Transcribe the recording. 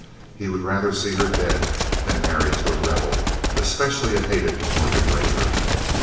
He would rather see her dead than married to a Rebel, especially a hated Morgan raider.